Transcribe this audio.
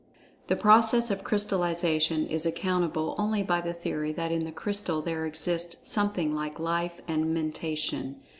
The process of crystallization is accountable only by the theory that in the crystal there exists something like life and Mentation.